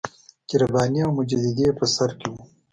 چې رباني او مجددي یې په سر کې وو.